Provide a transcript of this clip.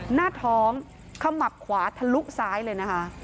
หน้าท้องขมับขวาทะลุซ้ายเลยนะคะ